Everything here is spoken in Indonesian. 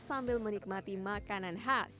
sambil menikmati makanan khas